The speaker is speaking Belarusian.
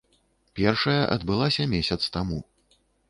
Першая адбылася месяц таму.